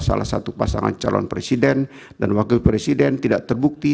salah satu pasangan calon presiden dan wakil presiden tidak terbukti